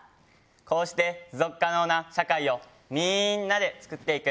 こうして持続可能な社会をみんなで作っていく。